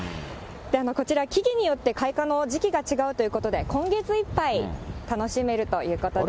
こちら、木々によって開花の時期が違うということで、今月いっぱい楽しめるということです。